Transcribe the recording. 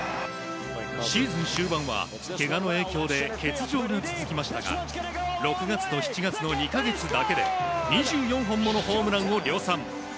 シーズン終盤はけがの影響で欠場が続きましたが６月と７月の２か月だけで２４本ものホームランを量産。